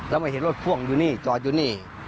แล้วไม่เห็นรถพ่วงอยู่นี่จอดอยู่นี่